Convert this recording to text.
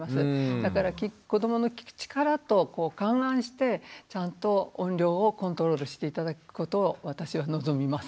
だから子どもの聴く力と勘案してちゃんと音量をコントロールして頂くことを私は望みます。